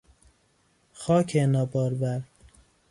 خاک نابارور